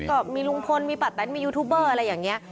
ก็มีลุงพลมีป้าแตนมียูทูบเบอร์อะไรอย่างนี้